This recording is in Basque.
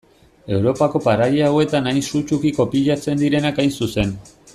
Europako paraje hauetan hain sutsuki kopiatzen direnak hain zuzen.